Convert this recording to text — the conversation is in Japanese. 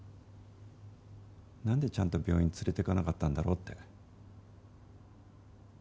何で、ちゃんと病院連れていかなかったんだろうって。